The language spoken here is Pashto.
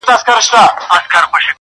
څو یې ستا تېره منگول ته سمومه؛